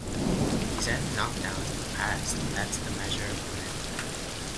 He's had knock-downs in the past but that's the measure of the man.